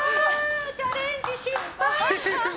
チャレンジ失敗！